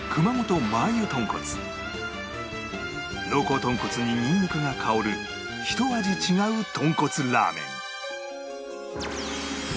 濃厚豚骨にニンニクが香るひと味違う豚骨ラーメン